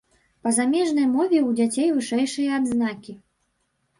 Па замежнай мове ў дзяцей вышэйшыя адзнакі.